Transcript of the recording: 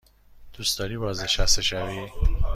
دوست داری بازنشسته شوی؟